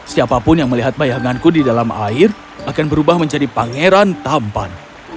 siapapun yang melihat bayanganku di dalam air akan berubah menjadi pangeran tampan